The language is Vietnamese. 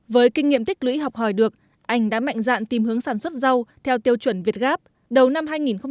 với kinh nghiệm tích lũy học hỏi được anh đã mạnh dạn tìm hướng sản xuất rau theo tiêu chuẩn việt gáp đầu năm hai nghìn một mươi tám